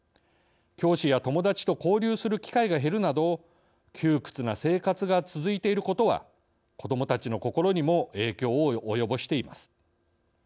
教師や友達と交流する機会が減るなど窮屈な生活が続いていることは子どもたちの心にも影響を及ぼしています。